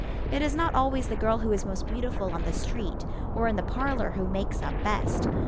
It is not always the girl who is most beautiful on the street or in the parlor who makes up best.